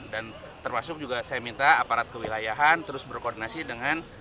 dan termasuk juga saya minta aparat kewilayahan terus berkoordinasi dengan